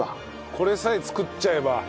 これさえ作っちゃえば。